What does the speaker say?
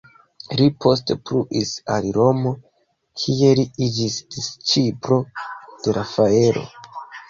Li poste pluis al Romo, kie li iĝis disĉiplo de Rafaelo.